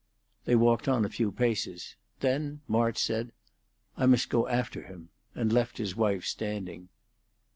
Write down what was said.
They walked on a few paces. Then March said, "I must go after him," and left his wife standing.